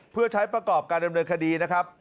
เพื่อใช้ประกอบการดำเนินคดีนะครับ